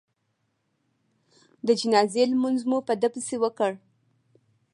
د جنازې لمونځ مو په ده پسې وکړ.